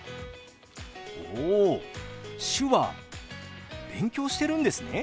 お手話勉強してるんですね。